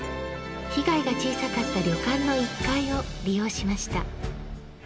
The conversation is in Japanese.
被害が小さかった旅館の１階を利用しました。